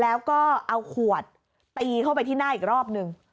แล้วก็เอาขวดตีเข้าไปที่หน้าอีกรอบหนึ่ง